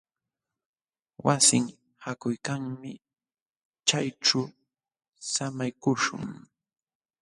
Wasin haakuykanmi. Chayćhu samaykuśhun.